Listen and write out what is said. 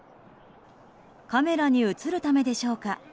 カメラに映るためでしょうか。